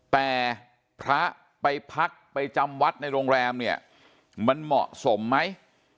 แต่พระไปพักไปจำวัดในโรงแรมเนี่ยมันเหมาะสมไหม